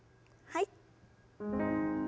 はい。